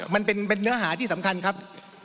ไม่ได้ครับมันเป็นเนื้อหาที่สำคัญครับ